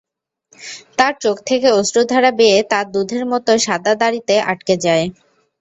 তার চোখ থেকে অশ্রুধারা বেয়ে তার দুধের মত সাদা দাড়িতে আটকে যায়।